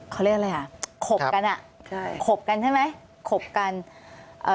เขาเรียกอะไรอ่ะขบกันอ่ะใช่ขบกันใช่ไหมขบกันเอ่อ